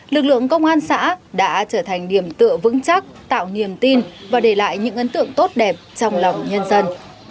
lực lượng công an xã đã trở thành điểm tựa vững chắc tạo niềm tin và để lại những ấn tượng tốt đẹp trong lòng nhân dân